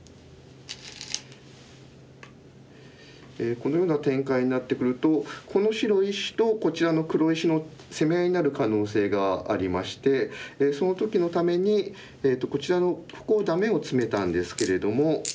このような展開になってくるとこの白石とこちらの黒石の攻め合いになる可能性がありましてその時のためにこちらのここをダメをツメたんですけれども。